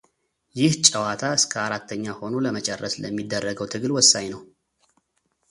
ይህ ጨዋታ እስከ አራተኛ ሆኖ ለመጨረስ ለሚደረገው ትግል ወሳኝ ነው።